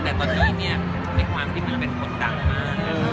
แต่ตอนนี้เฉี้ยหวังที่มันเป็นคนต่างมาก